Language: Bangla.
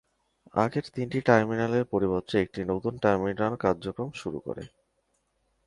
আগের তিনটি টার্মিনালের পরিবর্তে একটি নতুন টার্মিনাল কার্যক্রম শুরু করে।